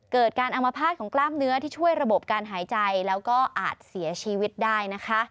เกิดการอมภาษณ์ของกล้ามเนื้อที่ช่วยระบบการหายใจแล้วก็อาจเสียชีวิตได้นะคะ